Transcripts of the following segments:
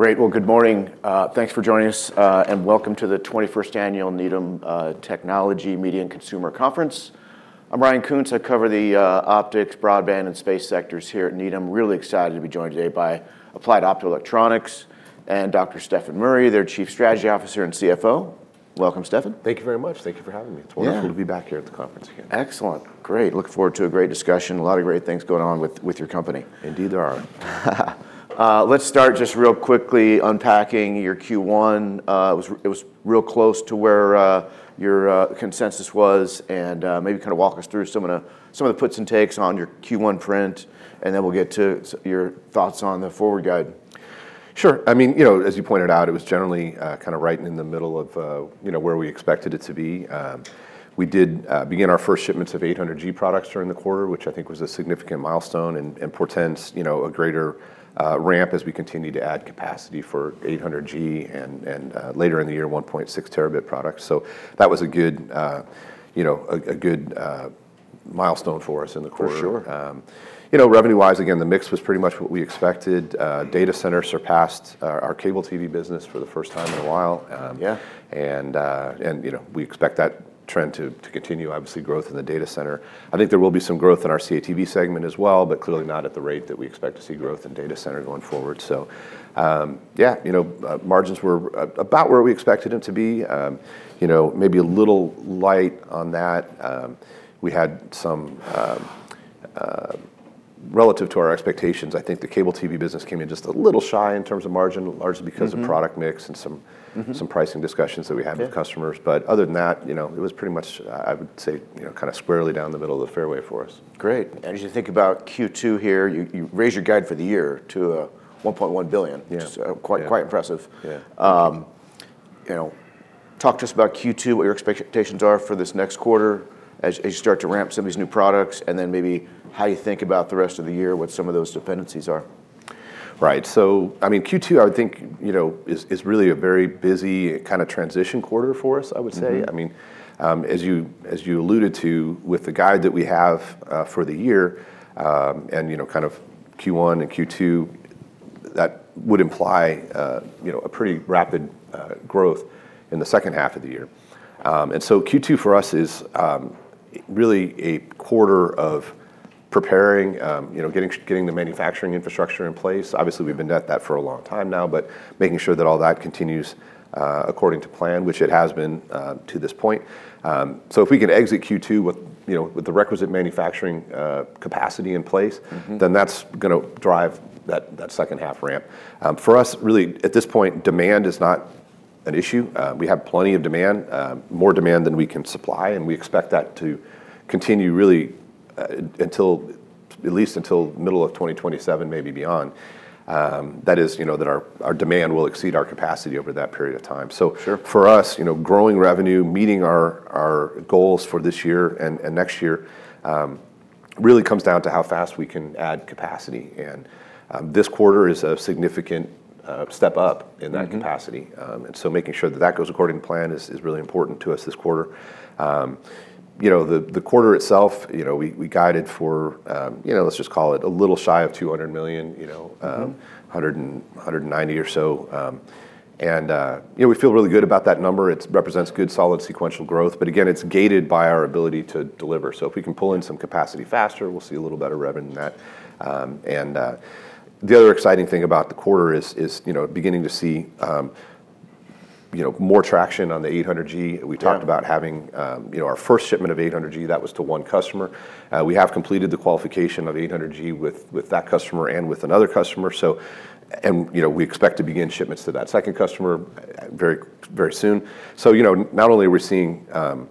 Great. Well, good morning. Thanks for joining us, and welcome to the 21st Annual Needham Technology, Media and Consumer Conference. I'm Ryan Koontz. I cover the optics, broadband, and space sectors here at Needham. Really excited to be joined today by Applied Optoelectronics and Dr. Stefan Murry, their Chief Strategy Officer and CFO. Welcome, Stefan. Thank you very much. Thank you for having me. Yeah. It's wonderful to be back here at the conference again. Excellent. Great. Look forward to a great discussion. A lot of great things going on with your company. Indeed there are. Let's start just real quickly unpacking your Q1. It was real close to where your consensus was, and maybe kind of walk us through some of the, some of the puts and takes on your Q1 print, and then we'll get to your thoughts on the forward guide. Sure. I mean, you know, as you pointed out, it was generally, kind of right in the middle of, you know, where we expected it to be. We did begin our first shipments of 800G products during the quarter, which I think was a significant milestone and portends, you know, a greater ramp as we continue to add capacity for 800G and later in the year, 1.6 terabit products. That was a good, you know, a good milestone for us in the quarter. For sure. You know, revenue wise, again, the mix was pretty much what we expected. Data center surpassed our cable TV business for the first time in a while. Yeah You know, we expect that trend to continue, obviously growth in the data center. I think there will be some growth in our CATV segment as well, but clearly not at the rate that we expect to see growth in data center going forward. You know, margins were about where we expected them to be. You know, maybe a little light on that. We had some, relative to our expectations, I think the cable TV business came in just a little shy in terms of margin, largely because. of product mix and some pricing discussions that we had. Yeah With customers. Other than that, you know, it was pretty much, I would say, you know, kind of squarely down the middle of the fairway for us. Great. As you think about Q2 here, you raised your guide for the year to $1.1 billion. Yeah which is. Yeah Quite impressive. Yeah. You know, talk to us about Q2, what your expectations are for this next quarter as you start to ramp some of these new products, and then maybe how you think about the rest of the year, what some of those dependencies are. Right. I mean, Q2, I would think, you know, is really a very busy kind of transition quarter for us, I would say. I mean, as you, as you alluded to with the guide that we have for the year, and, you know, kind of Q1 and Q2, that would imply, you know, a pretty rapid growth in the second half of the year. Q2 for us is really a quarter of preparing, you know, getting the manufacturing infrastructure in place. Obviously, we've been at that for a long time now, but making sure that all that continues according to plan, which it has been to this point. If we can exit Q2 with, you know, with the requisite manufacturing capacity in place. That's gonna drive that second half ramp. For us, really at this point, demand is not an issue. We have plenty of demand, more demand than we can supply, and we expect that to continue really until at least until middle of 2027, maybe beyond. That is, you know, our demand will exceed our capacity over that period of time. Sure For us, you know, growing revenue, meeting our goals for this year and next year, really comes down to how fast we can add capacity, and this quarter is a significant step up in that capacity. Making sure that that goes according to plan is really important to us this quarter. You know, the quarter itself, you know, we guided for, you know, let's just call it a little shy of $200 million. 190 or so. You know, we feel really good about that number. It's represents good, solid sequential growth, again, it's gated by our ability to deliver. If we can pull in some capacity faster, we'll see a little better revenue than that. The other exciting thing about the quarter is, you know, beginning to see, you know, more traction on the 800G. Yeah. We talked about having, you know, our first shipment of 800G, that was to one customer. We have completed the qualification of 800G with that customer and with another customer. You know, we expect to begin shipments to that second customer very, very soon. You know, not only are we seeing, you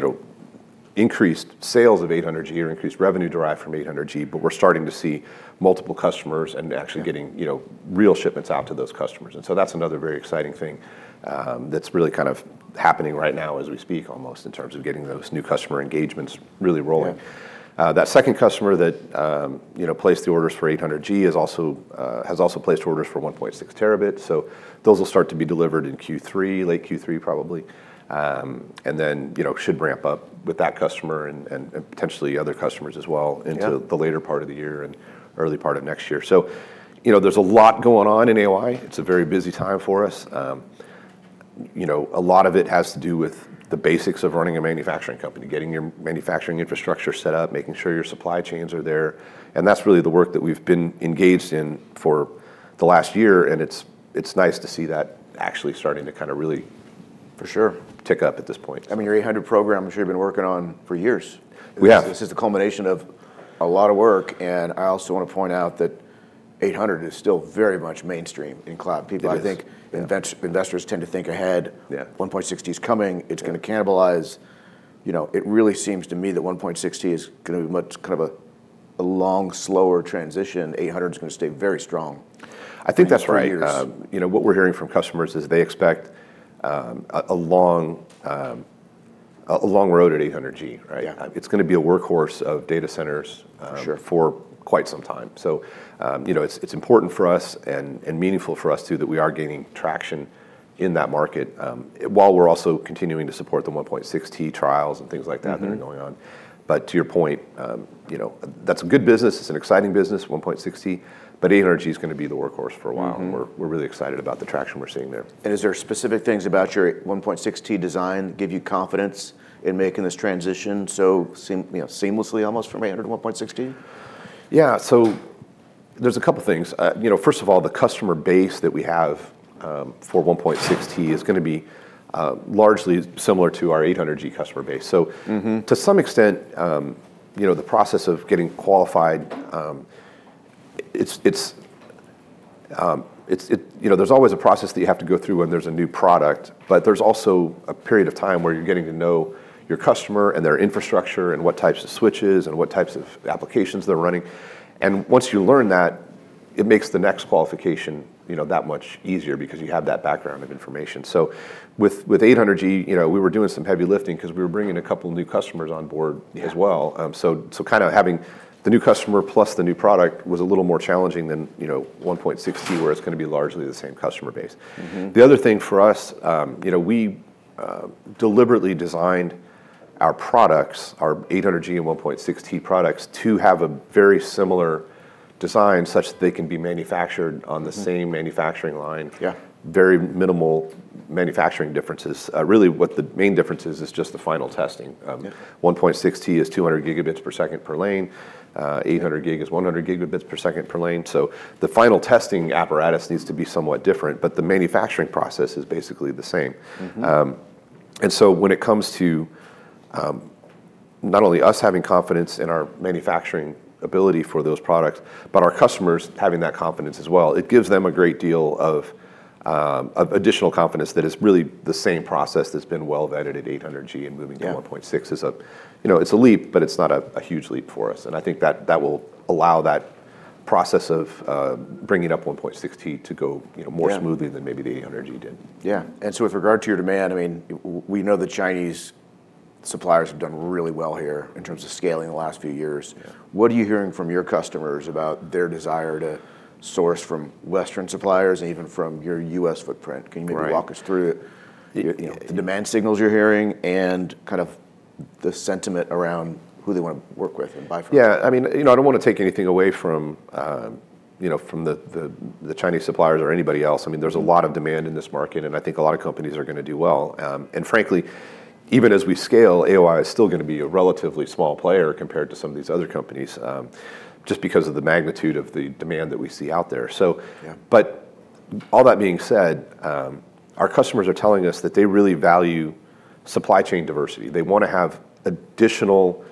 know, increased sales of 800G or increased revenue derived from 800G, but we're starting to see multiple customers. Yeah Getting, you know, real shipments out to those customers. That's another very exciting thing that's really kind of happening right now as we speak, almost in terms of getting those new customer engagements really rolling. Yeah. That second customer that, you know, placed the orders for 800G is also has also placed orders for 1.6 terabit. Those will start to be delivered in Q3, late Q3 probably. You know, should ramp up with that customer and potentially other customers as well. Yeah Into the later part of the year and early part of next year. You know, there's a lot going on in AOI. It's a very busy time for us. You know, a lot of it has to do with the basics of running a manufacturing company, getting your manufacturing infrastructure set up, making sure your supply chains are there, and that's really the work that we've been engaged in for the last year, it's nice to see that actually starting to. For sure. tick up at this point. I mean, your 800G program I'm sure you've been working on for years. We have. This is the culmination of a lot of work, and I also wanna point out that 800 is still very much mainstream in cloud. It is. People, I think, investors tend to think ahead. Yeah. 1.6T is coming. Yeah. It's gonna cannibalize. You know, it really seems to me that 1.6T is gonna be much kind of a long slower transition. 800G is gonna stay very strong i think that's right. For years. You know, what we're hearing from customers is they expect a long road at 800G, right? Yeah. It's gonna be a workhorse of data centers. Sure For quite some time. You know, it's important for us and meaningful for us too that we are gaining traction in that market, while we're also continuing to support the 1.6T trials and things like that. That are going on. To your point, you know, that's a good business, it's an exciting business, 1.6T, but 800G's gonna be the workhorse for a while. We're really excited about the traction we're seeing there. Is there specific things about your 1.6T design give you confidence in making this transition so you know, seamlessly almost from 800 to 1.6T? Yeah. There's a couple things. you know, first of all, the customer base that we have, for 1.6T is gonna be largely similar to our 800G customer base. To some extent, you know, there's always a process that you have to go through when there's a new product, but there's also a period of time where you're getting to know your customer and their infrastructure and what types of switches and what types of applications they're running. Once you learn that, it makes the next qualification, you know, that much easier because you have that background of information. With, with 800G, you know, we were doing some heavy lifting 'cause we were bringing a couple new customers on board. Yeah As well. Kinda having the new customer plus the new product was a little more challenging than, you know, 1.6T where it's gonna be largely the same customer base. The other thing for us, you know, we deliberately designed our products, our 800G and 1.6T products, to have a very similar design such that they can be manufactured on the same manufacturing line. Yeah. Very minimal manufacturing differences. Really what the main difference is is just the final testing. Yeah 1.6T is 200 Gbs per second per lane, 800G is 100 Gbs per second per lane. The final testing apparatus needs to be somewhat different, but the manufacturing process is basically the same. When it comes to, not only us having confidence in our manufacturing ability for those products, but our customers having that confidence as well, it gives them a great deal of additional confidence that it's really the same process that's been well vetted at 800G. Yeah To 1.6 is a, you know, it's a leap, but it's not a huge leap for us, and I think that will allow that process of bringing up 1.6T to go, you know. Yeah Smoothly than maybe the 800G did. Yeah. With regard to your demand, I mean, we know the Chinese suppliers have done really well here in terms of scaling the last few years. Yeah. What are you hearing from your customers about their desire to source from Western suppliers and even from your U.S. footprint? Right. Can you maybe walk us through, you know, the demand signals you're hearing and kind of the sentiment around who they wanna work with and buy from? Yeah. I mean, you know, I don't wanna take anything away from, you know, from the Chinese suppliers or anybody else. I mean, there's a lot of demand in this market and I think a lot of companies are gonna do well. Frankly, even as we scale, AOI is still gonna be a relatively small player compared to some of these other companies, just because of the magnitude of the demand that we see out there. Yeah All that being said, our customers are telling us that they really value supply chain diversity. They wanna have additional,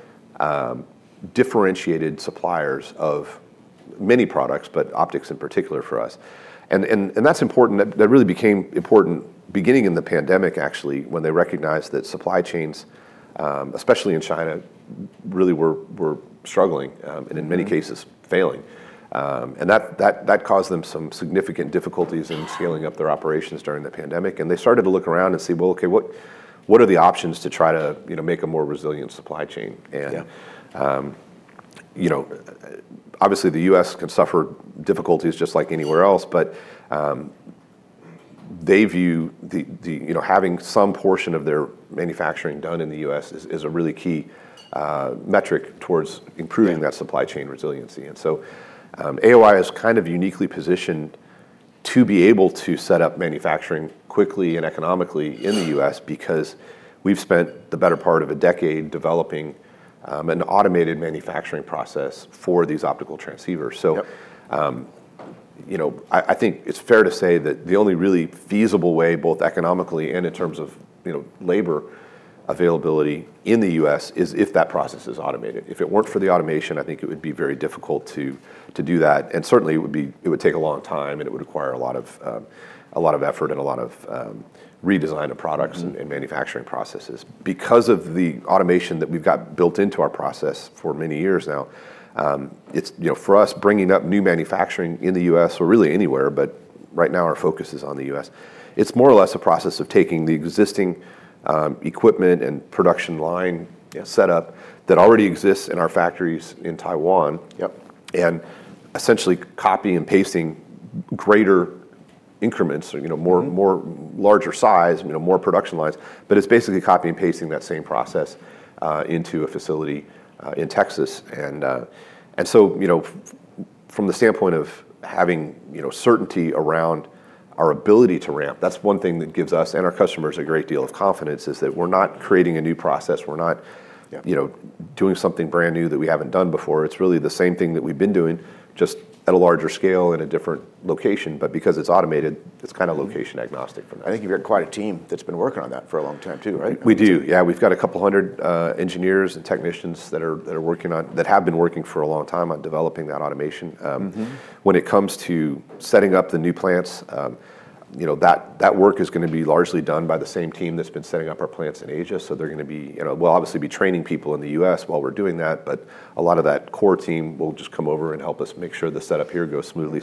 differentiated suppliers of many products, but optics in particular for us. That's important. That really became important beginning in the pandemic actually when they recognized that supply chains, especially in China really were struggling in many cases failing. That caused them some significant difficulties in scaling up their operations during the pandemic, and they started to look around and see, well, okay, what are the options to try to, you know, make a more resilient supply chain? Yeah You know, obviously the U.S. can suffer difficulties just like anywhere else, but, they view the You know, having some portion of their manufacturing done in the U.S. is a really key metric towards improving. Yeah That supply chain resiliency. AOI is kind of uniquely positioned to be able to set up manufacturing quickly and economically in the U.S. because we've spent the better part of a decade developing an automated manufacturing process for these optical transceivers. Yep You know, I think it's fair to say that the only really feasible way, both economically and in terms of, you know, labor availability in the U.S. is if that process is automated. If it weren't for the automation, I think it would be very difficult to do that, and certainly it would take a long time and it would require a lot of effort and a lot of redesign of products. Manufacturing processes. Because of the automation that we've got built into our process for many years now, it's, you know, for us bringing up new manufacturing in the U.S. or really anywhere, but right now our focus is on the U.S., it's more or less a process of taking the existing, equipment and production line. Yeah Setup that already exists in our factories in Taiwan. Yep Essentially copy and pasting greater increments or, you know. More larger size, you know, more production lines. It's basically copy and pasting that same process into a facility in Texas. You know, from the standpoint of having, you know, certainty around our ability to ramp, that's one thing that gives us and our customers a great deal of confidence is that we're not creating a new process. Yeah You know, doing something brand new that we haven't done before. It's really the same thing that we've been doing just at a larger scale in a different location. Because it's kinda automated, it's location agnostic from that. I think you've got quite a team that's been working on that for a long time too, right? We do. Yeah. We've got a couple hundred engineers and technicians that are working on, that have been working for a long time on developing that automation. When it comes to setting up the new plants, you know, that work is gonna be largely done by the same team that's been setting up our plants in Asia, so they're gonna be, you know. We'll obviously be training people in the U.S. while we're doing that, but a lot of that core team will just come over and help us make sure the setup here goes smoothly.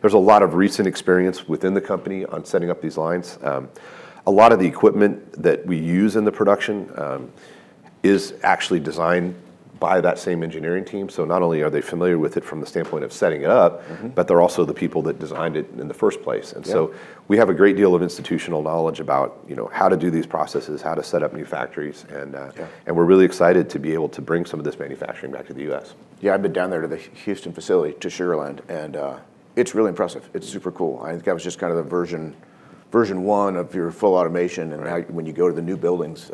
There's a lot of recent experience within the company on setting up these lines. A lot of the equipment that we use in the production is actually designed by that same engineering team. Not only are they familiar with it from the standpoint of setting it up. They're also the people that designed it in the first place. Yeah. We have a great deal of institutional knowledge about, you know, how to do these processes, how to set up new factories. Yeah We're really excited to be able to bring some of this manufacturing back to the U.S. Yeah, I've been down there to the Houston facility, to Sugar Land, and it's really impressive. It's super cool. I think that was just kind of the version 1 of your full automation. Right. Now when you go to the new buildings,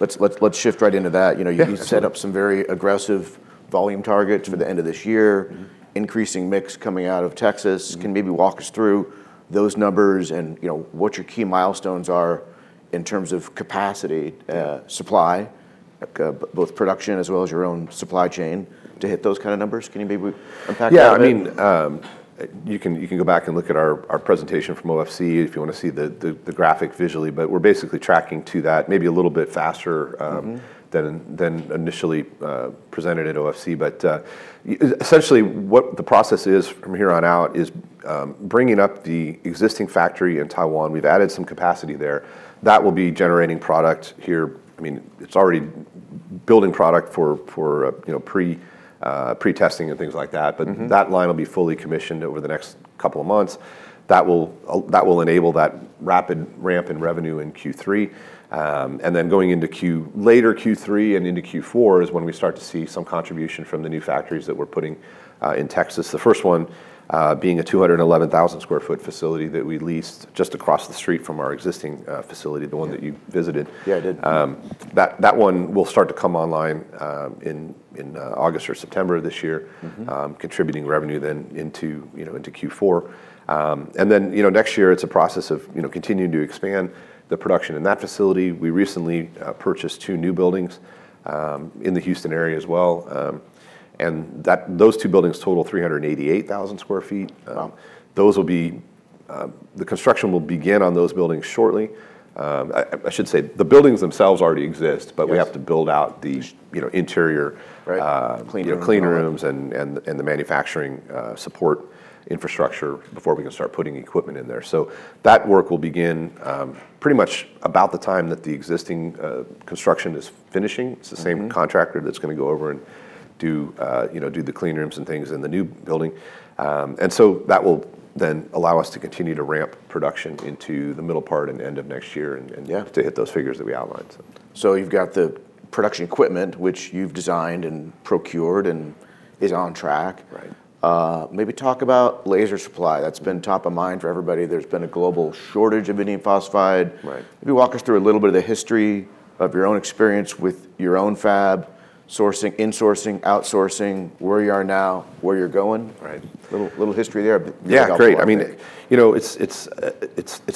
let's shift right into that. You know, you set up some very aggressive volume targets for the end of this year. Increasing mix coming out of Texas. Can maybe walk us through those numbers and, you know, what your key milestones are in terms of capacity, supply, both production as well as your own supply chain to hit those kind of numbers? Can you maybe unpack that a bit? Yeah, I mean, you can go back and look at our presentation from OFC if you want to see the graphic visually, but we're basically tracking to that maybe a little bit faster. than initially presented at OFC. Essentially what the process is from here on out is bringing up the existing factory in Taiwan. We've added some capacity there. That will be generating product here. I mean, it's already building product for, you know, pre-testing and things like that. That line will be fully commissioned over the next couple of months. That will enable that rapid ramp in revenue in Q3. Going into later Q3 and into Q4 is when we start to see some contribution from the new factories that we're putting in Texas, the first one being a 211,000 sq ft facility that we leased just across the street from our existing facility, the one that you visited. Yeah, I did. That one will start to come online, in August or September of this year. Contributing revenue into, you know, into Q4. Next year it's a process of, you know, continuing to expand the production in that facility. We recently purchased two new buildings in the Houston area as well. Those two buildings total 388,000 sq ft. Wow The construction will begin on those buildings shortly. I should say the buildings themselves already exist. Yes We have to build out the, you know, interior. Right. Clean rooms and all You know, clean rooms, and the, and the manufacturing, support infrastructure before we can start putting equipment in there. That work will begin, pretty much about the time that the existing, construction is finishing. It's the same contractor that's gonna go over and do, you know, do the clean rooms and things in the new building. That will then allow us to continue to ramp production into the middle part and end of next year. Yeah To hit those figures that we outlined. You've got the production equipment which you've designed and procured and is on track. Right. Maybe talk about laser supply. That's been top of mind for everybody. There's been a global shortage of indium phosphide. Right. Maybe walk us through a little bit of the history of your own experience with your own fab sourcing, insourcing, outsourcing, where you are now, where you're going. Right. Little history there. Yeah, great. I mean, you know, it's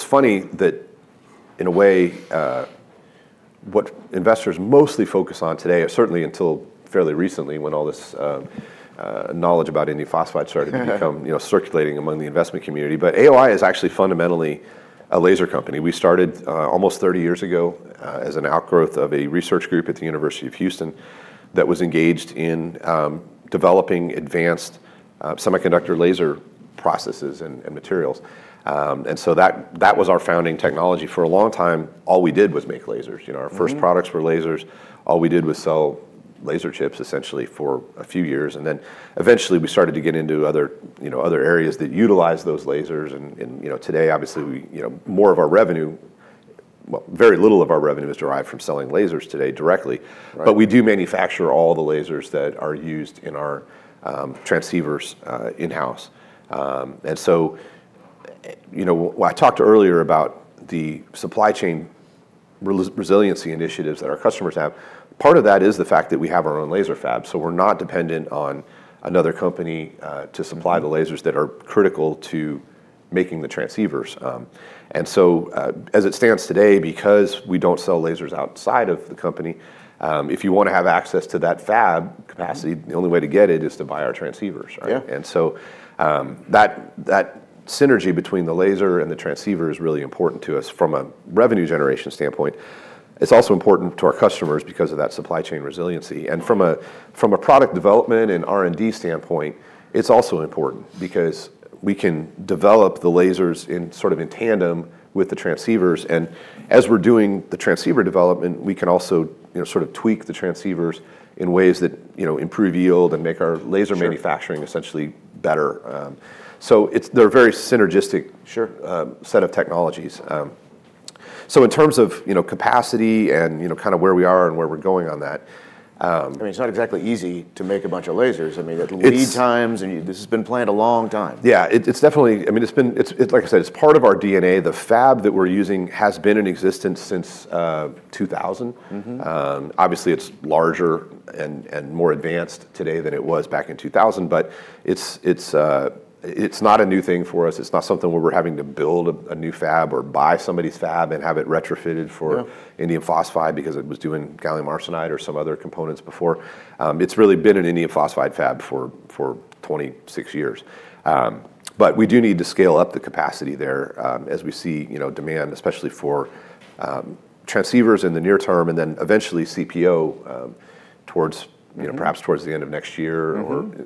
funny that in a way, what investors mostly focus on today, or certainly until fairly recently when all this knowledge about indium phosphide to become, you know, circulating among the investment community, but AOI is actually fundamentally a laser company. We started almost 30 years ago, as an outgrowth of a research group at the University of Houston that was engaged in developing advanced semiconductor laser processes and materials. That was our founding technology. For a long time, all we did was make lasers, you know. Our first products were lasers. All we did was sell laser chips essentially for a few years. Then eventually we started to get into other, you know, other areas that utilized those lasers. Today obviously we, you know, more of our revenue, well, very little of our revenue is derived from selling lasers today directly. Right. We do manufacture all the lasers that are used in our transceivers in-house. You know, I talked earlier about the supply chain resiliency initiatives that our customers have. Part of that is the fact that we have our own laser fab, so we're not dependent on another company to supply the lasers that are critical to making the transceivers. As it stands today because we don't sell lasers outside of the company, if you wanna have access to that fab capacity. The only way to get it is to buy our transceivers, right? Yeah. That synergy between the laser and the transceiver is really important to us from a revenue generation standpoint. It's also important to our customers because of that supply chain resiliency. From a product development and R&D standpoint, it's also important because we can develop the lasers in sort of in tandem with the transceivers. As we're doing the transceiver development, we can also, you know, sort of tweak the transceivers in ways that, you know, improve yield and make our laser- Sure Manufacturing essentially better. They're a very synergistic- Sure Set of technologies. In terms of, you know, capacity and, you know, kind of where we are and where we're going on that. I mean, it's not exactly easy to make a bunch of lasers. It's lead times, and this has been planned a long time. Yeah. It's definitely I mean, it's been, it's like I said, it's part of our DNA. The fab that we're using has been in existence since 2000. Obviously, it's larger and more advanced today than it was back in 2000, but it's not a new thing for us. It's not something where we're having to build a new fab or buy somebody's fab and have it retrofitted. Yeah Indium phosphide because it was doing gallium arsenide or some other components before. It's really been an indium phosphide fab for 26 years. We do need to scale up the capacity there, as we see, you know, demand especially for transceivers in the near term, and then eventually CPO, towards you know, perhaps towards the end of next year.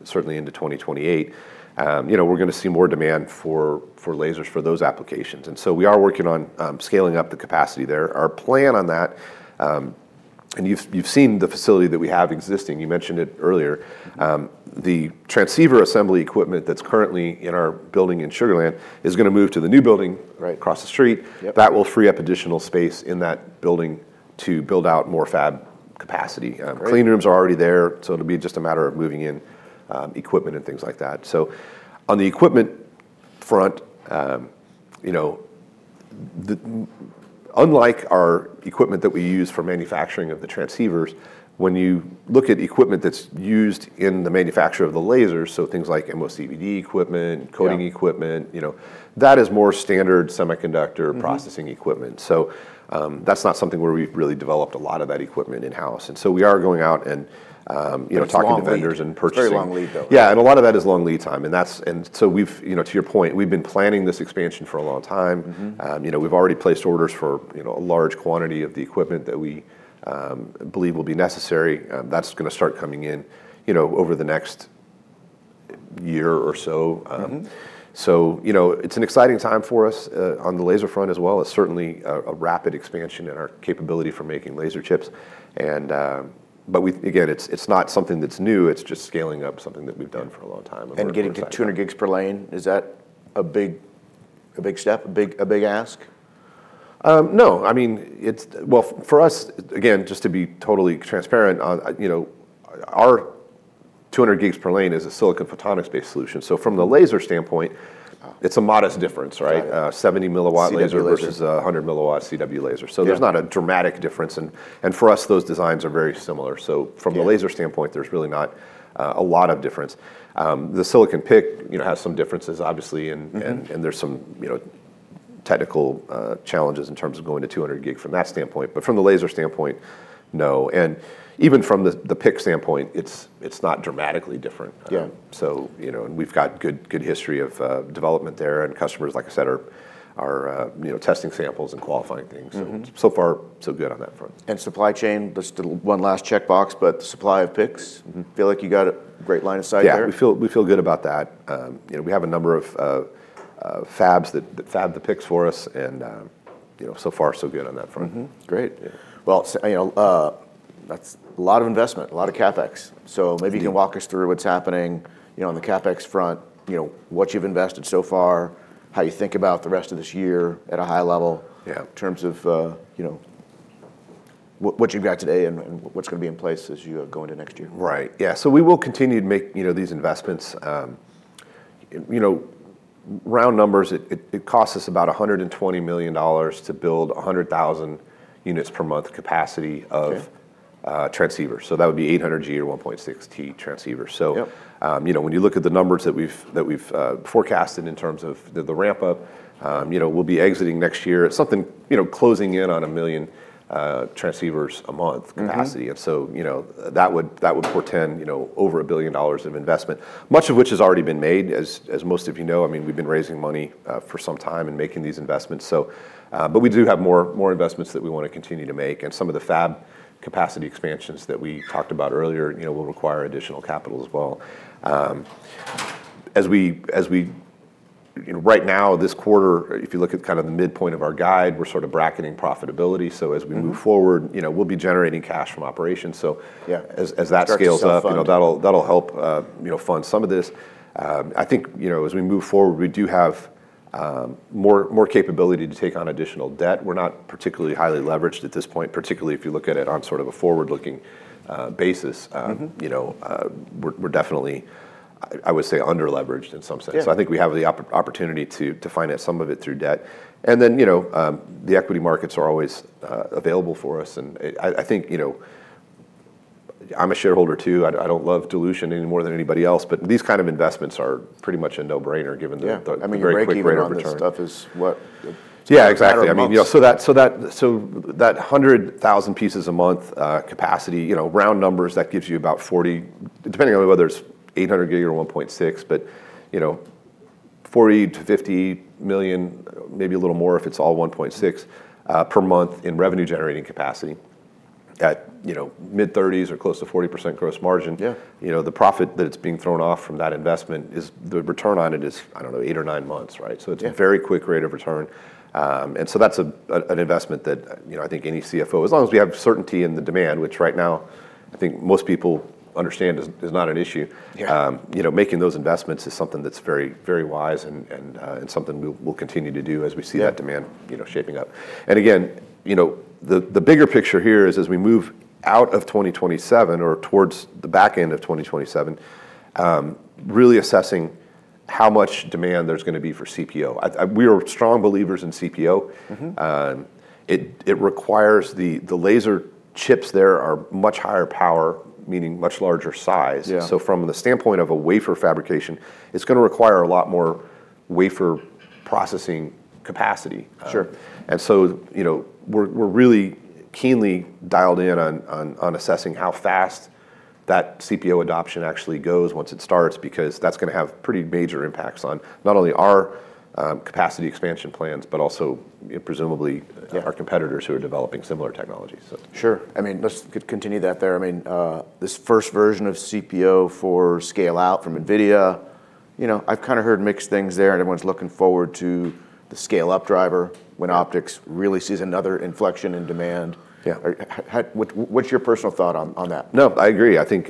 Certainly into 2028. you know, we're gonna see more demand for lasers for those applications, so we are working on scaling up the capacity there. Our plan on that. You've seen the facility that we have existing. You mentioned it earlier. The transceiver assembly equipment that's currently in our building in Sugar Land is gonna move to the new building. Right Across the street. Yep. That will free up additional space in that building to build out more fab capacity. Great Clean rooms are already there, so it'll be just a matter of moving in, equipment and things like that. On the equipment front, you know, the, unlike our equipment that we use for manufacturing of the transceivers, when you look at equipment that's used in the manufacture of the laser, so things like MOCVD equipment. Yeah Coating equipment, you know, that is more standard semiconductor processing equipment. That's not something where we've really developed a lot of that equipment in-house, and so we are going out and, you know, talking to vendors. It's long lead. Purchasing. It's very long lead though. Yeah, and a lot of that is long lead time, and so we've, you know, to your point, we've been planning this expansion for a long time. You know, we've already placed orders for, you know, a large quantity of the equipment that we believe will be necessary. That's gonna start coming in, you know, over the next year or so. You know, it's an exciting time for us on the laser front as well. It's certainly a rapid expansion in our capability for making laser chips. Again, it's not something that's new. It's just scaling up something that we've done for a long time from a laser standpoint. Getting to two gigs per lane, is that a big step, a big ask? No. I mean, it's, well, for us, again, just to be totally transparent, you know, our 200 gigs per lane is a silicon photonics-based solution. Yeah It's a modest difference, right? Got it. 70 mW laser. CW laser versus 100 milliwatt CW laser. Yeah. There's not a dramatic difference. For us, those designs are very similar. Yeah laser standpoint, there's really not a lot of difference. The silicon PIC, you know, has some differences obviously there's some, you know, technical challenges in terms of going to 200 gig from that standpoint. From the laser standpoint, no. Even from the PIC standpoint, it's not dramatically different. Yeah You know, we've got good history of development there, and customers, like I said, are, you know, testing samples and qualifying things. So far so good on that front. Supply chain, just 1 last checkbox, but the supply of PICs. Feel like you got a great line of sight there? Yeah. We feel good about that. You know, we have a number of fabs that fab the PICs for us, and, you know, so far so good on that front. Mm-hmm. Great. Yeah. Well, you know, that's a lot of investment, a lot of CapEx. Maybe you can walk us through what's happening, you know, on the CapEx front, you know, what you've invested so far, how you think about the rest of this year at a high level. Yeah In terms of, you know, what you've got today and what's gonna be in place as you go into next year. Right. Yeah. We will continue to make, you know, these investments. You know, round numbers, it costs us about $120 million to build 100,000 units per month capacity. Sure Transceivers. That would be 800G or 1.6T transceivers. Yep You know, when you look at the numbers that we've forecasted in terms of the ramp-up, you know, we'll be exiting next year at something, you know, closing in on 1 million transceivers a month capacity. You know, that would portend, you know, over $1 billion of investment, much of which has already been made. As most of you know, I mean, we've been raising money for some time and making these investments. But we do have more investments that we wanna continue to make, and some of the fab capacity expansions that we talked about earlier, you know, will require additional capital as well. You know, right now, this quarter, if you look at kind of the midpoint of our guide, we're sort of bracketing profitability so as moving forward, you know, we'll be generating cash from operations. Yeah As that scales up. Start to self-fund. you know, that'll help, you know, fund some of this. I think, you know, as we move forward, we do have more capability to take on additional debt. We're not particularly highly leveraged at this point, particularly if you look at it on sort of a forward-looking basis you know, we're definitely, I would say, under-leveraged in some sense. Yeah. I think we have the opportunity to finance some of it through debt. You know, the equity markets are always available for us, and I think, you know, I'm a shareholder too. I don't love dilution any more than anybody else, but these kind of investments are pretty much a no-brainer given the. Yeah Very quick rate of return. I mean, the breaking on this stuff is what, a matter of months? Yeah, exactly. I mean, you know, so that 100,000 pieces a month, capacity, you know, round numbers, that gives you about $40, depending on whether it's 800G or 1.6, but you know, $40 million-$50 million, maybe a little more if it's all 1.6, per month in revenue generating capacity at, you know, mid-30s or close to 40% gross margin. Yeah. You know, the profit that's being thrown off from that investment is, the return on it is, I don't know, eight or nine months, right? Yeah. It's a very quick rate of return. That's an investment that, you know, I think any CFO, as long as we have certainty in the demand, which right now I think most people understand is not an issue. Yeah You know, making those investments is something that's very, very wise and something we'll continue to do as we see- Yeah That demand, you know, shaping up. You know, the bigger picture here is, as we move out of 2027 or towards the back end of 2027, really assessing how much demand there's gonna be for CPO. We are strong believers in CPO. It requires the laser chips there are much higher power, meaning much larger size. Yeah. From the standpoint of a wafer fabrication, it's gonna require a lot more wafer processing capacity. Sure You know, we're really keenly dialed in on assessing how fast that CPO adoption actually goes once it starts because that's gonna have pretty major impacts on not only our capacity expansion plans but also presumably. Yeah our competitors who are developing similar technologies. Sure. I mean, let's continue that there. I mean, this first version of CPO for scale-out from NVIDIA. You know, I've kinda heard mixed things there. Everyone's looking forward to the scale up driver when optics really sees another inflection in demand. Yeah. What's your personal thought on that? No, I agree. I think,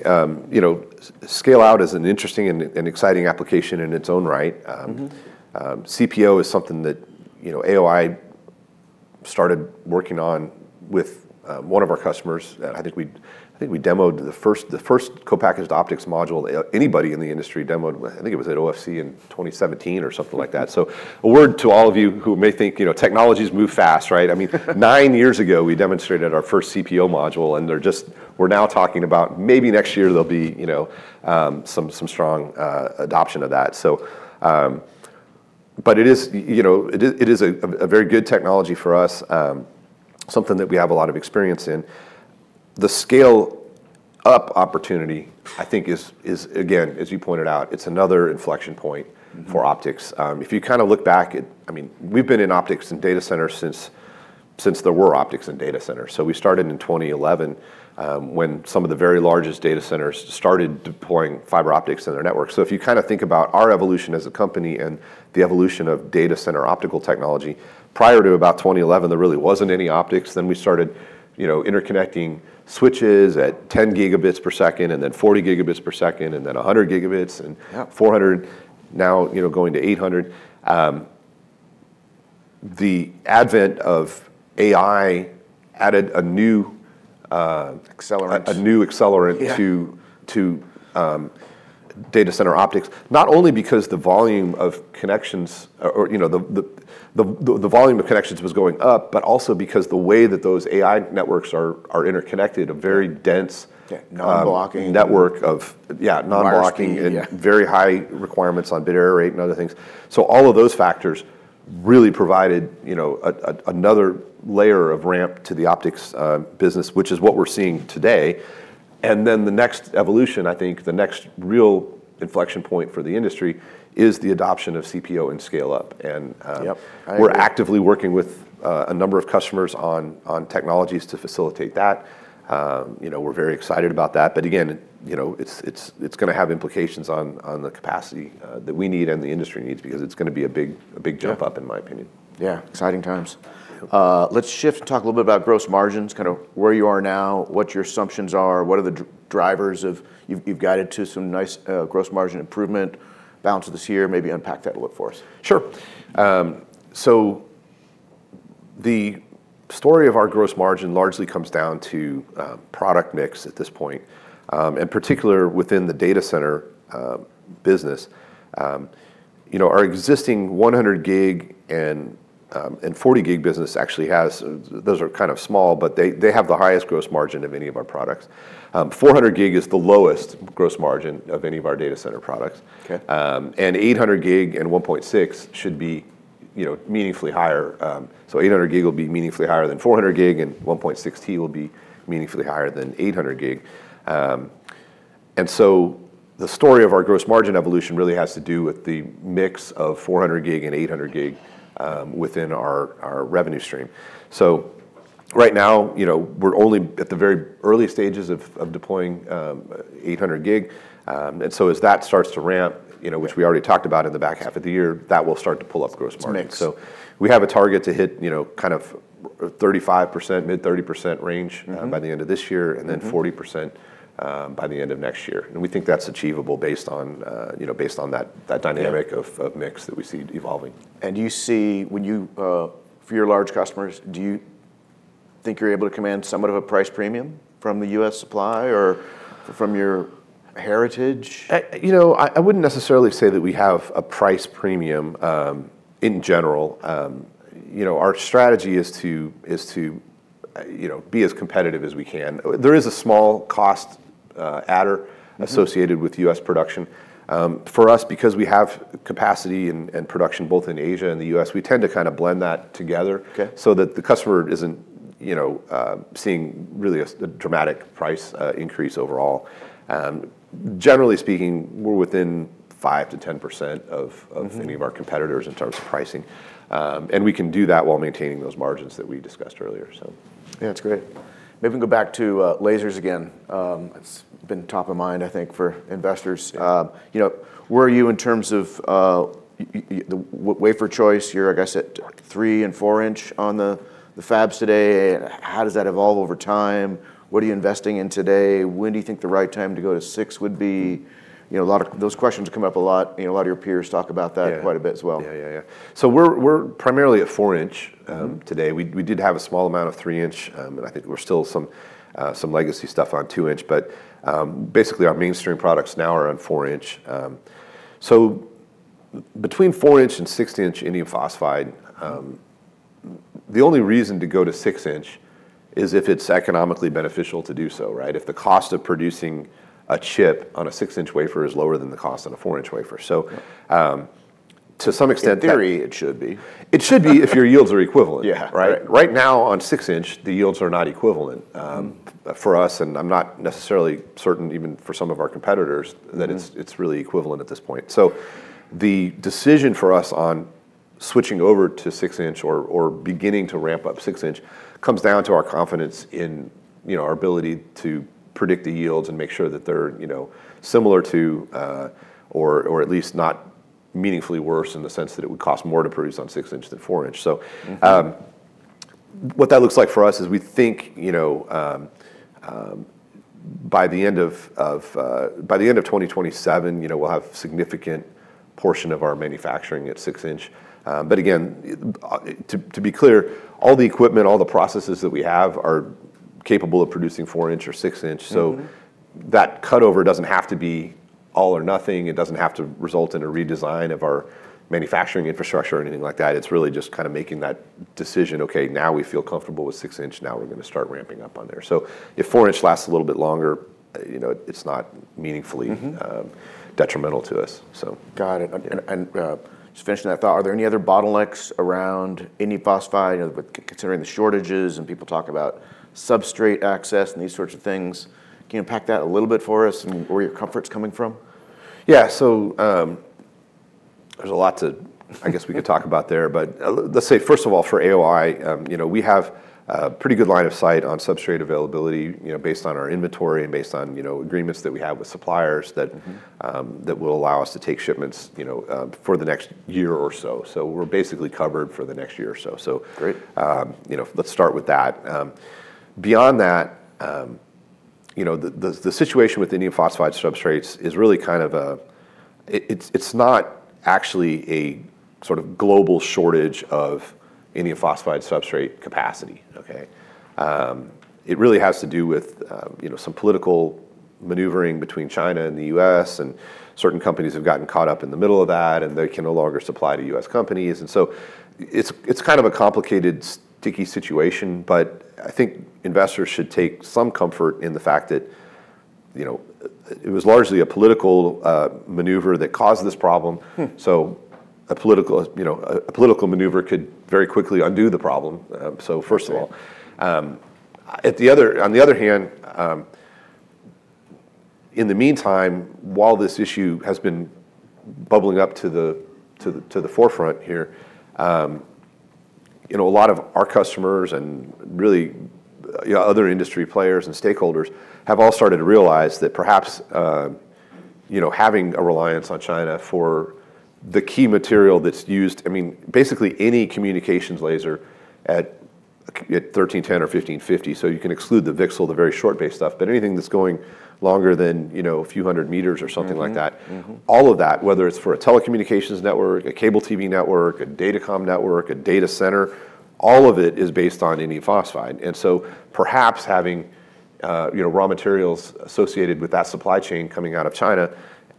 you know, scale out is an interesting and exciting application in its own right. CPO is something that, you know, AOI started working on with one of our customers. I think we demoed the first co-packaged optics module anybody in the industry demoed with, I think it was at OFC in 2017 or something like that. A word to all of you who may think, you know, technologies move fast, right? I mean, nine years ago we demonstrated our first CPO module. We're now talking about maybe next year there'll be, you know, some strong adoption of that. It is, you know, it is a very good technology for us, something that we have a lot of experience in. The scale up opportunity, I think, is again, as you pointed out, it's another inflection point for optics. If you kinda look back at, I mean, we've been in optics and data centers since there were optics and data centers. We started in 2011 when some of the very largest data centers started deploying fiber optics in their network. If you kinda think about our evolution as a company and the evolution of data center optical technology, prior to about 2011, there really wasn't any optics. We started, you know, interconnecting switches at 10 Gb per second, and then 40 Gb per second, and then 100 Gb. Yeah 400, now, you know, going to 800. The advent of AI added a new. Accelerant a new accelerant. Yeah To data center optics. Not only because the volume of connections or, you know, the volume of connections was going up, but also because the way that those AI networks are interconnected. Yeah. Non-blocking. Network of Yeah. RSK, yeah. Very high requirements on bit error rate and other things. All of those factors really provided, you know, another layer of ramp to the optics business, which is what we're seeing today. The next evolution, I think the next real inflection point for the industry, is the adoption of CPO and scale up. Yep. I agree. We are actively working with a number of customers on technologies to facilitate that. You know, we're very excited about that, but again, you know, it's gonna have implications on the capacity that we need and the industry needs because it's gonna be a big jump up. Yeah In my opinion. Exciting times. Let's shift to talk a little bit about gross margins, kind of where you are now, what your assumptions are, what are the drivers of you've guided to some nice, gross margin improvement balance of this year. Maybe unpack that a little for us. Sure. The story of our gross margin largely comes down to product mix at this point. In particular within the data center business. You know, our existing 100 Gb and 40 Gb business actually has, those are kind of small, but they have the highest gross margin of any of our products. 400 Gb is the lowest gross margin of any of our data center products. Okay. 800G and 1.6T should be, you know, meaningfully higher. 800G will be meaningfully higher than 400 Gb, and 1.6T will be meaningfully higher than 800G. The story of our gross margin evolution really has to do with the mix of 400 Gb and 800G within our revenue stream. Right now, you know, we're only at the very early stages of deploying 800G. As that starts to ramp, you know, which we already talked about in the back half of the year, that will start to pull up gross margin. It's a mix. We have a target to hit, you know, kind of 35%, mid 30%.y the end of this year. Then 40% by the end of next year. We think that's achievable based on, you know, based on that dynamic. Yeah Of mix that we see evolving. You see when you, for your large customers, do you think you're able to command somewhat of a price premium from the US supply or from your heritage? You know, I wouldn't necessarily say that we have a price premium in general. You know, our strategy is to, you know, be as competitive as we can. There is a small cost adder. Associated with U.S. production. For us, because we have capacity and production both in Asia and the U.S., we tend to kinda blend that together. Okay That the customer isn't, you know, seeing really a dramatic price, increase overall. Generally speaking, we're within 5%-10%. Any of our competitors in terms of pricing. We can do that while maintaining those margins that we discussed earlier. Yeah, that's great. Maybe we can go back to lasers again. It's been top of mind, I think, for investors. You know, where are you in terms of wafer choice? You're, I guess, at three and four inch on the fabs today. How does that evolve over time? What are you investing in today? When do you think the right time to go to six would be? You know, a lot of those questions come up a lot. You know, a lot of your peers talk about that. Yeah Quite a bit as well. We're primarily at 4 inch today. We did have a small amount of 3 inch, and I think we're still some legacy stuff on 2 inch, but basically our mainstream products now are on 4 inch. Between 4 inch and 6 inch indium phosphide, the only reason to go to 6 inch is if it's economically beneficial to do so, right? If the cost of producing a chip on a 6-inch wafer is lower than the cost on a 4-inch wafer. In theory, it should be It should be if your yields are equivalent. Yeah. Right? Right now on six inch, the yields are not equivalent for us, and I'm not necessarily certain even for some of our competitors. it's really equivalent at this point. The decision for us on switching over to six-inch or beginning to ramp up six-inch comes down to our confidence in, you know, our ability to predict the yields and make sure that they're, you know, similar to, or at least not meaningfully worse in the sense that it would cost more to produce on six-inch than four-inch. What that looks like for us is we think, you know, by the end of 2027, you know, we'll have a significant portion of our manufacturing at 6-inch. Again, to be clear, all the equipment, all the processes that we have are capable of producing 4-inch or 6-inch. That cutover doesn't have to be all or nothing. It doesn't have to result in a redesign of our manufacturing infrastructure or anything like that. It's really just kind of making that decision, okay, now we feel comfortable with 6-inch, now we're gonna start ramping up on there. If 4-inch lasts a little bit longer, you know, it's not meaningfully detrimental to us, so. Just finishing that thought, are there any other bottlenecks around indium phosphide, you know, considering the shortages and people talk about substrate access and these sorts of things? Can you unpack that a little bit for us and where your comfort's coming from? Yeah. There's a lot to I guess we could talk about there. Let's say first of all, for AOI, you know, we have a pretty good line of sight on substrate availability, you know, based on our inventory and based on, you know, agreements that we have with suppliers that- That will allow us to take shipments, you know, for the next year or so. We're basically covered for the next year or so. Great. You know, let's start with that. Beyond that, you know, the situation with indium phosphide substrates is really kind of a it's not actually a sort of global shortage of indium phosphide substrate capacity, okay? It really has to do with, you know, some political maneuvering between China and the U.S., and certain companies have gotten caught up in the middle of that, and they can no longer supply to U.S. companies. It's kind of a complicated, sticky situation, but I think investors should take some comfort in the fact that, you know, it was largely a political maneuver that caused this problem. A political, you know, a political maneuver could very quickly undo the problem. Great. At the other, on the other hand, in the meantime, while this issue has been bubbling up to the forefront here, you know, a lot of our customers and really, you know, other industry players and stakeholders have all started to realize that perhaps, you know, having a reliance on China for the key material that's used, I mean, basically any communications laser at 1310 or 1550, so you can exclude the VCSEL, the very short base stuff, but anything that's going longer than, you know, a few hundred meters or something like that. Mm-hmm, mm-hmm. All of that, whether it's for a telecommunications network, a cable TV network, a datacom network, a data center, all of it is based on indium phosphide. Perhaps having, you know, raw materials associated with that supply chain coming out of China,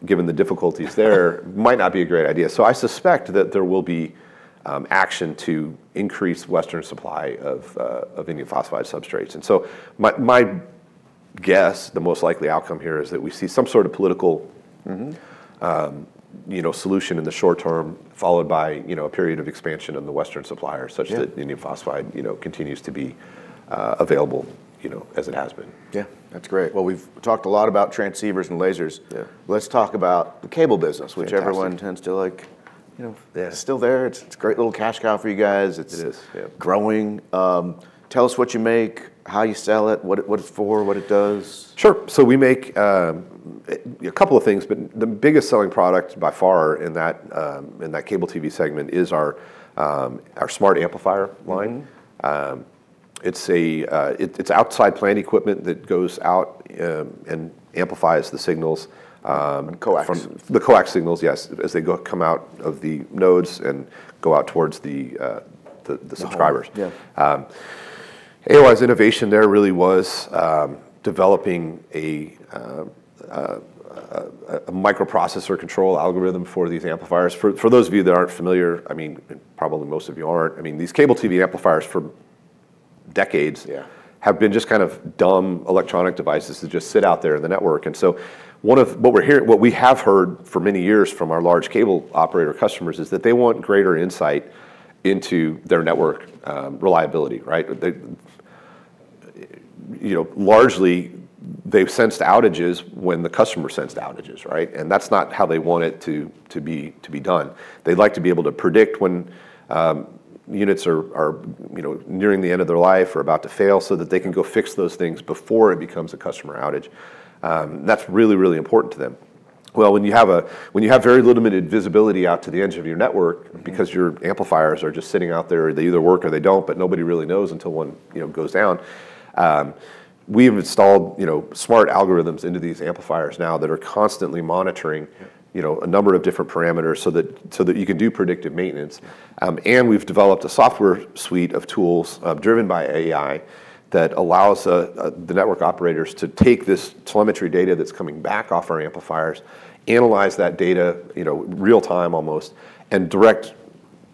given the difficulties there might not be a great idea. I suspect that there will be action to increase Western supply of indium phosphide substrates. My, my guess, the most likely outcome here is that we see some sort of political. You know, solution in the short term, followed by, you know, a period of expansion in the Western suppliers. Yeah indium phosphide, you know, continues to be available, you know, as it has been. Yeah. That's great. Well, we've talked a lot about transceivers and lasers. Yeah. Let's talk about the cable business. Fantastic which everyone tends to like, you know. Yeah It's still there. It's a great little cash cow for you guys. It is, yeah. Growing. Tell us what you make, how you sell it, what it's for, what it does? Sure. We make a couple of things, but the biggest selling product by far in that cable TV segment is our smart amplifier line. It's outside plant equipment that goes out and amplifies the signals. Coax From the coax signals, yes, as they come out of the nodes and go out towards the subscribers. The home. Yeah. AOI's innovation there really was developing a microprocessor control algorithm for these amplifiers. For those of you that aren't familiar, I mean, probably most of you aren't, I mean, these cable TV amplifiers for decades. Yeah Have been just kind of dumb electronic devices that just sit out there in the network. One of what we have heard for many years from our large cable operator customers is that they want greater insight into their network reliability, right? They, you know, largely, they've sensed outages when the customer sensed outages, right? That's not how they want it to be done. They'd like to be able to predict when units are, you know, nearing the end of their life or about to fail, so that they can go fix those things before it becomes a customer outage. That's really, really important to them. Well, when you have very limited visibility out to the edge of your network because your amplifiers are just sitting out there, they either work or they don't, but nobody really knows until one, you know, goes down. We've installed, you know, smart algorithms into these amplifiers now that are constantly monitoring. Yeah You know, a number of different parameters so that you can do predictive maintenance. We've developed a software suite of tools, driven by AI that allows the network operators to take this telemetry data that's coming back off our amplifiers, analyze that data, you know, real time almost, and direct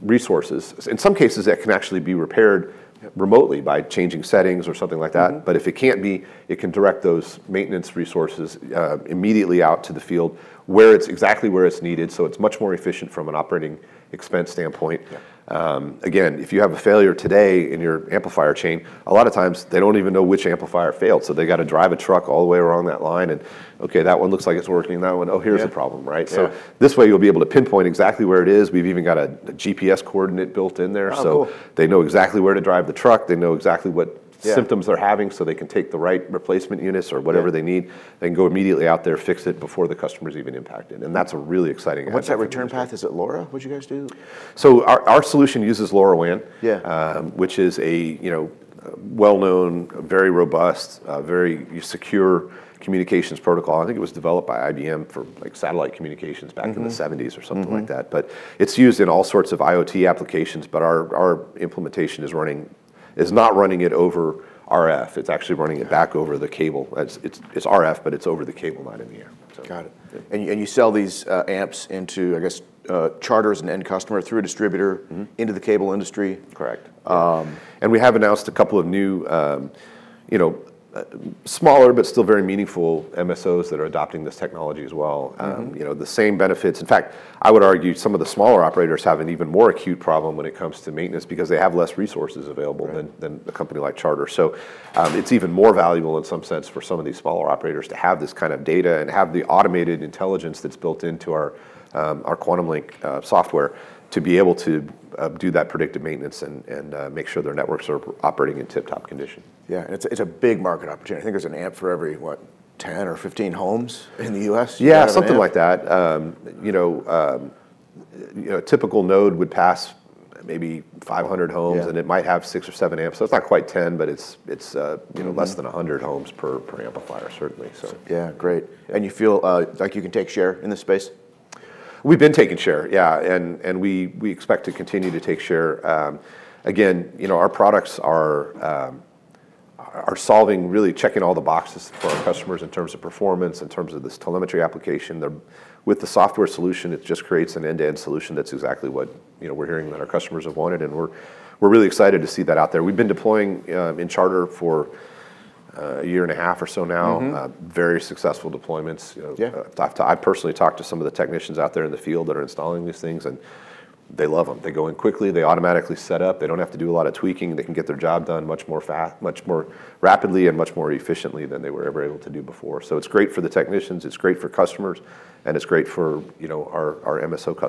resources. In some cases, that can actually be repaired remotely by changing settings or something like that. If it can't be, it can direct those maintenance resources immediately out to the field, where it's exactly where it's needed, so it's much more efficient from an operating expense standpoint. Yeah. If you have a failure today in your amplifier chain, a lot of times they don't even know which amplifier failed, so they gotta drive a truck all the way around that line and, okay, that one looks like it's working, and that one, oh, here's a problem. Yeah. Right? Yeah. This way you'll be able to pinpoint exactly where it is. We've even got a GPS coordinate built in there. Oh, cool. They know exactly where to drive the truck. Yeah Symptoms they're having, so they can take the right replacement units or whatever. Yeah they need. They can go immediately out there, fix it before the customer's even impacted, and that's a really exciting advancement. What's that return path? Is it LoRa what you guys do? Our solution uses LoRaWAN. Yeah. Which is a, you know, well-known, very robust, very secure communications protocol. I think it was developed by IBM for, like, satellite communications back. In the '70s or something like that. It's used in all sorts of IoT applications, but our implementation is not running it over RF. It's actually running it back over the cable. It's RF, but it's over the cable line in the air. Got it. Yeah. You sell these, amps into, I guess, Charter as an end customer through a distributor. into the cable industry. Correct. We have announced a couple of new, you know, smaller, but still very meaningful MSOs that are adopting this technology as well. You know, the same benefits. In fact, I would argue some of the smaller operators have an even more acute problem when it comes to maintenance because they have less resources available. Right Than a company like Charter. It's even more valuable in some sense for some of these smaller operators to have this kind of data and have the automated intelligence that's built into our QuantumLink software to be able to do that predictive maintenance and make sure their networks are operating in tip-top condition. Yeah. It's a big market opportunity. I think there's an amp for every, what, 10 or 15 homes in the U.S. you need to have an amp. Yeah, something like that. you know, you know, a typical node would pass maybe 500 homes. Yeah. It might have 6 or 7 amps, so it's not quite 10, but it's, you know. Less than 100 homes per amplifier certainly. Yeah, great. You feel like you can take share in this space? We've been taking share, yeah. We expect to continue to take share. Again, you know, our products are solving really checking all the boxes for our customers in terms of performance, in terms of this telemetry application. With the software solution, it just creates an end-to-end solution that's exactly what, you know, we're hearing that our customers have wanted, and we're really excited to see that out there. We've been deploying in Charter for a year and a half or so now. Very successful deployments. Yeah. You know, I've personally talked to some of the technicians out there in the field that are installing these things, and they love them. They go in quickly. They automatically set up. They don't have to do a lot of tweaking. They can get their job done much more rapidly and much more efficiently than they were ever able to do before. It's great for the technicians. It's great for customers. It's great for, you know, our MSO customers.